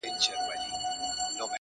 لمر چي د ميني زوال ووهي ويده سمه زه.